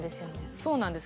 そうなんです。